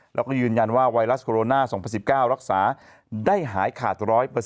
แล้วก็ยืนยันว่าไวรัสโคโรนา๒๐๑๙รักษาได้หายขาด๑๐๐